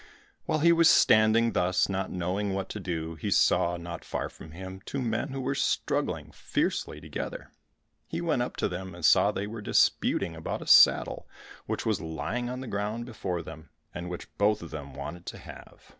Whilst he was standing thus, not knowing what to do, he saw, not far from him, two men who were struggling fiercely together. He went up to them and saw that they were disputing about a saddle which was lying on the ground before them, and which both of them wanted to have.